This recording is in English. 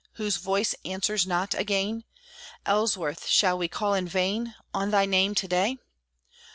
Whose voice answers not again? Ellsworth, shall we call in vain On thy name to day?